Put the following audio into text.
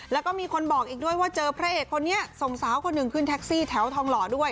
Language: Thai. แล้วก็มีคนบอกอีกด้วยว่าเจอพระเอกคนนี้ส่งสาวคนหนึ่งขึ้นแท็กซี่แถวทองหล่อด้วย